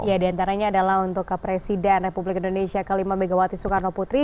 ya diantaranya adalah untuk presiden republik indonesia ke lima megawati soekarno putri